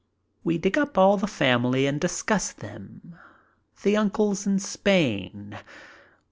We dig up all the family and discuss them. The uncles in Spain.